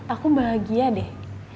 aku bahagia deh